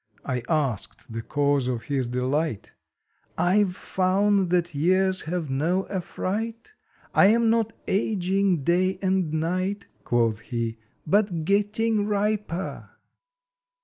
I asked the cause of his delight. "I ve found that years have no affright I am not aging day and night," Quoth he, "But getting riper."